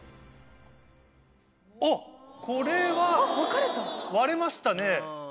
おっこれは割れましたね。